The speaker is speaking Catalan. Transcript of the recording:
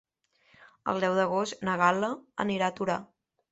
El deu d'agost na Gal·la anirà a Torà.